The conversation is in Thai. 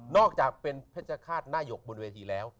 อกจากเป็นเพชรฆาตหน้าหยกบนเวทีแล้ว